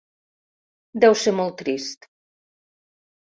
Deu ser molt trist.